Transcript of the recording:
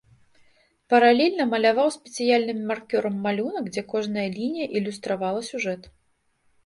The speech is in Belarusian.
Паралельна маляваў спецыяльным маркёрам малюнак, дзе кожная лінія ілюстравала сюжэт.